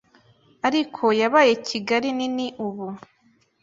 ariko yabaye Kigali nini ubu”.